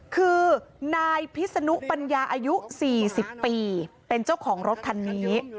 คือนายพิศนุปัญญาอายุ๔๐ปีเป็นเจ้าของรถคันนี้